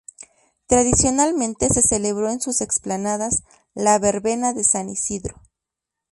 Tradicionalmente se celebró en sus explanadas la verbena de San Isidro.